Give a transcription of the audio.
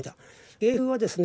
芸風はですね